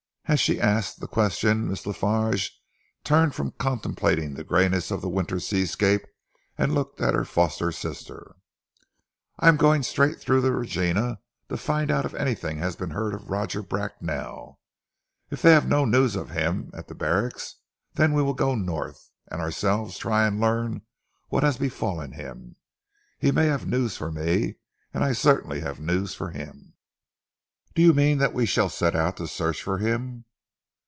As she asked the question, Miss La Farge turned from contemplating the greyness of the winter seascape and looked at her foster sister. "I am going straight through to Regina to find out if anything has been heard of Roger Bracknell. If they have no news of him at the barracks, then we will go North and ourselves try and learn what has befallen him. He may have news for me, as I certainly have news for him." "Do you mean that we shall set out to search for him?"